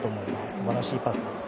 素晴らしいパスです。